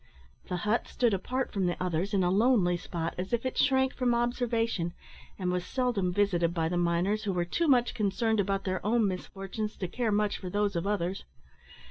The hut stood apart from the others, in a lonely spot, as if it shrank from observation, and was seldom visited by the miners, who were too much concerned about their own misfortunes to care much for those of others.